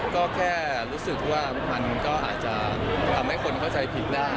ก็แค่รู้สึกว่ามันก็อาจจะทำให้คนเข้าใจผิดได้